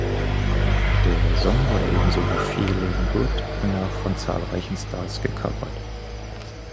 Der Song wurde ebenso wie „Feeling Good“ danach von zahlreichen Stars gecovert.